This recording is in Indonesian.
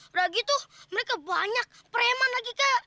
udah gitu mereka banyak pereman lagi ke